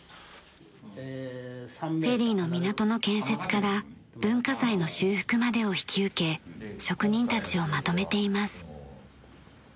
フェリーの港の建設から文化財の修復までを引き受け職人たちをまとめています。